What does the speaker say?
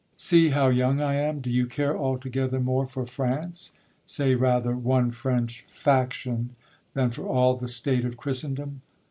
See how young I am, Do you care altogether more for France, Say rather one French faction, than for all The state of Christendom?